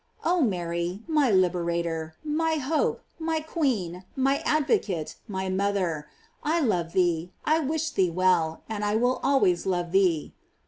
Oh Mary, my liberator, my hope, my queen, my advocate, my mother, I love thee, I wish thee well, and will always love thee.